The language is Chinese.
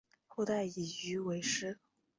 后代以鱼为氏。